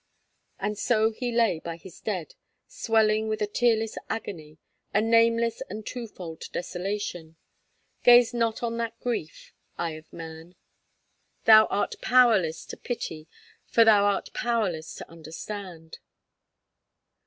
And so he lay by his dead, swelling with a tearless agony, a nameless and twofold desolation. Gaze not on that grief eye of man: thou art powerless to pity, for thou art powerless to understand.